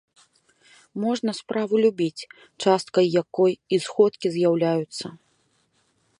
Можна справу любіць, часткай якой і сходкі з'яўляюцца.